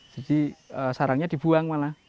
jadi sarangnya dibuang malah